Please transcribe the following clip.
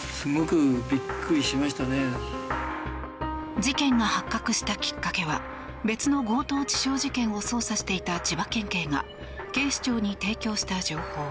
事件が発覚したきっかけは別の強盗致傷事件を捜査していた千葉県警が警視庁に提供した情報。